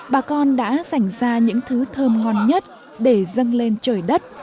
bà con đã dành ra những thứ thơm ngon nhất để dâng lên trời đất